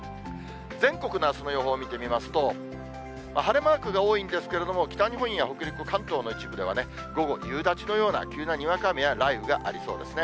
全国のあすの予報を見てみますと、晴れマークが多いんですけど、北日本や北陸、関東の一部では午後、夕立のような急なにわか雨や雷雨がありそうですね。